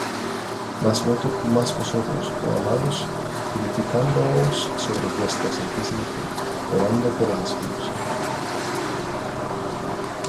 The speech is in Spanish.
Mas vosotros, oh amados, edificándoos sobre vuestra santísima fe, orando por el Espíritu Santo.